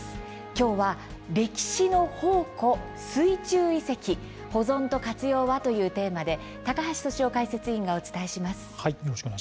今日は歴史の宝庫「水中遺跡」保存と活用は？というテーマで高橋俊雄解説委員がお伝えします。